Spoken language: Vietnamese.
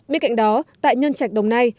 bên cạnh đó tại nhân trạch đồng nay